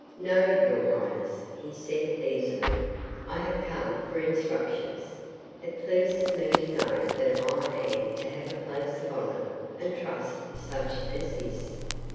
"No, your highness," said he, easily. "I have come for instructions. It pleases me to know that I am to have a place of honor and trust such as this."